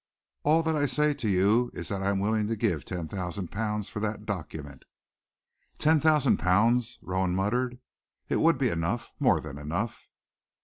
All that I say to you is that I am willing to give ten thousand pounds for that document." "Ten thousand pounds!" Rowan muttered. "It would be enough more than enough."